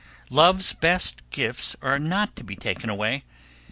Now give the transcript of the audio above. Love's best gifts are not to be taken away.